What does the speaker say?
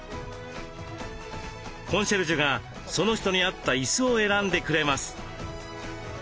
コンシェルジュがその人に合った椅子を選んでくれます。